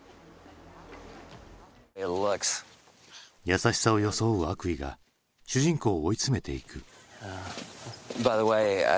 優しさを装う悪意が主人公を追い詰めていく。